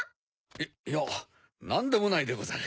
いやなんでもないでござる。